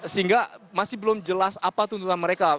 sehingga masih belum jelas apa tuntutan mereka